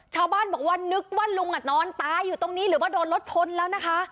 ชาวบ้านบอกว่านึกว่าลุงนอนตายอยู่ตรงนี้หรือว่าโดนรถชนแล้วนะคะ